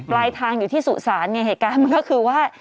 ปลายทางอยู่ที่สุสานเนี่ยเหตุการณ์มันก็คือว่า